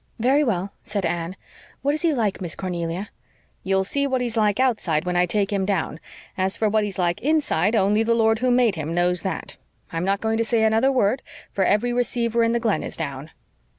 "Very well," said Anne. "What is he like, Miss Cornelia?" "You'll see what he's like outside when I take him down. As for what he's like inside only the Lord who made him knows THAT. I'm not going to say another word, for every receiver in the Glen is down."